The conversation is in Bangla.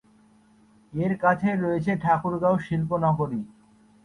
এর কাছেই রয়েছে ঠাকুরগাঁও শিল্প নগরী।